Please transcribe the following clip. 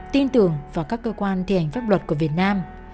tin tưởng vào các cơ quan thi hành pháp luật của việt nam